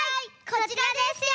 こちらですよ。